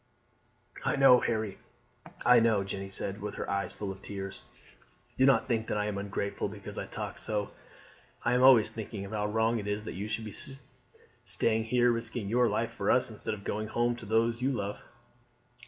"I know, Harry; I know," Jeanne said with her eyes full of tears. "Do not think that I am ungrateful because I talk so. I am always thinking how wrong it is that you should be staying here risking your life for us instead of going home to those who love you.